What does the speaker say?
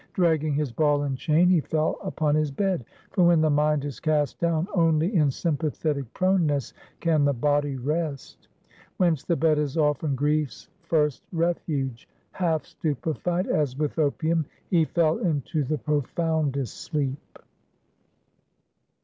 Dragging his ball and chain, he fell upon his bed; for when the mind is cast down, only in sympathetic proneness can the body rest; whence the bed is often Grief's first refuge. Half stupefied, as with opium, he fell into the profoundest sleep.